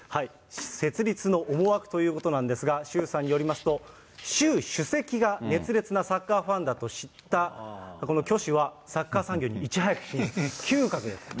設立の思惑ということなんですが、周さんによりますと、習主席が熱烈なサッカーファンだと知ったこの許氏は、サッカー参入にいち早く進出した。